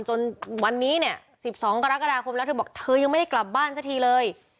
จนวันนี้เนี่ย๑๒กรกฎาคมแล้วเธอบอกเธอยังไม่ได้กลับบ้านสักทีเลย